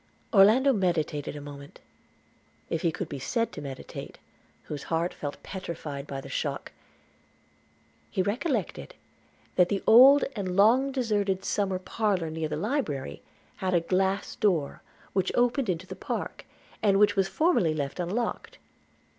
Orlando meditated a moment; if he could be said to meditate, whose heart felt petrified by the shock. He recollected, that the old and long deserted summer parlour near the library had a glass door which opened into the park, and which was formerly left unlocked.